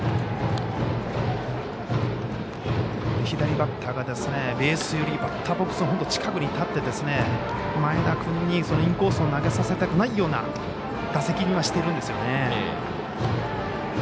左バッターがベース寄りバッターボックスの近くに立って前田君にインコースを投げさせたくないような打席にはしているんですよね。